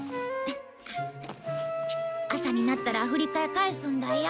朝になったらアフリカへ帰すんだよ。